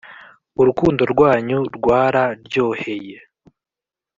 urukundo rwanyu rwara ryoheye